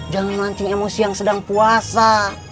jangan lanting emosi yang sedang puasa